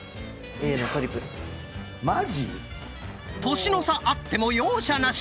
⁉年の差あっても容赦なし！